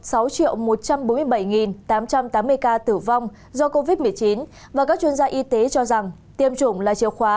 ca tử vong do covid một mươi chín và các chuyên gia y tế cho rằng tiêm chủng là chìa khóa